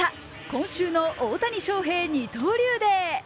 今週の大谷翔平二刀流デー。